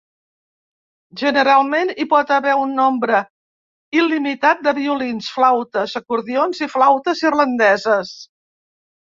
Generalment hi pot haver un nombre il·limitat de violins, flautes, acordions i flautes irlandeses.